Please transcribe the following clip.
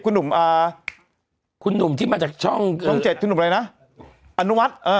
คุณหนุ่มคุณหนุ่มที่มาจากช่องเจ็ดคุณหนุ่มอะไรนะอนุวัฒน์